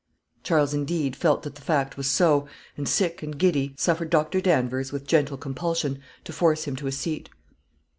Charles, indeed, felt that the fact was so, and, sick and giddy, suffered Doctor Danvers, with gentle compulsion, to force him into a seat.